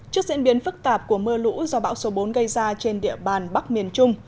trước diễn biến phức tạp của mưa lũ do bão số bốn gây ra trên địa bàn bắc miền trung